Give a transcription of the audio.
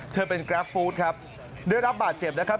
เธอเป็นกราฟฟู้ดครับได้รับบาดเจ็บนะครับ